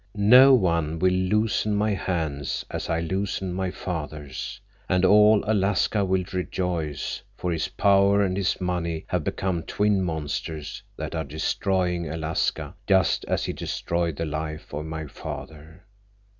No one will loosen my hands as I loosened my father's. And all Alaska will rejoice, for his power and his money have become twin monsters that are destroying Alaska just as he destroyed the life of my father.